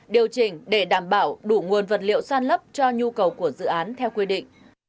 điều chỉnh để đảm bảo đủ nguồn vật liệu san lấp cho nhu cầu của dự án theo quy định